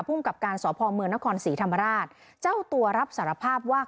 ภูมิกับการสอบภอมเมืองนครสีธรรมราชเจ้าตัวรับสารภาพว่า